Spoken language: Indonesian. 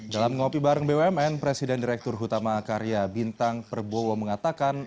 dalam ngopi bareng bumn presiden direktur utama karya bintang perbowo mengatakan